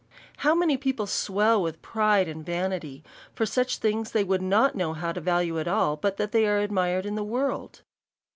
How many people swell with pride and vanity, for such things as they would not know how to value at all, but that they are admired in the world.